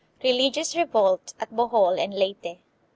Religious Revolt at Bohol and Leyte.